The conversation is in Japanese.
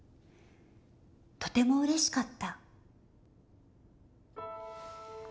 とてもうれしかった！」。